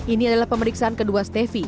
ini adalah pemeriksaan kedua stefi